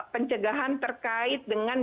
pencegahan terkait dengan